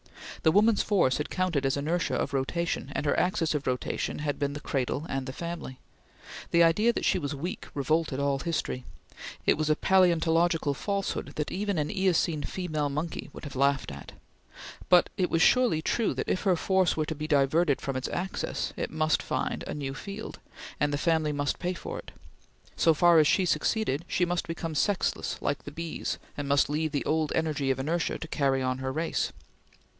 The woman's force had counted as inertia of rotation, and her axis of rotation had been the cradle and the family. The idea that she was weak revolted all history; it was a palaeontological falsehood that even an Eocene female monkey would have laughed at; but it was surely true that, if her force were to be diverted from its axis, it must find a new field, and the family must pay for it. So far as she succeeded, she must become sexless like the bees, and must leave the old energy of inertia to carry on the race.